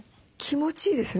気持ちいいです。